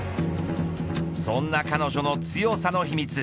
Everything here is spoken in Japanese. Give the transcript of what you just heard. そんな彼女の強さの秘密